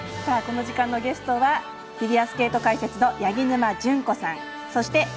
この時間のゲストはフィギュアスケート解説の八木沼純子さん。